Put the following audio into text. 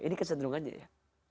ini kecenderungannya ya